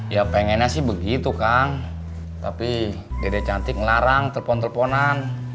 ya pengennya sih begitu kang tapi dede cantik ngelarang telpon telponan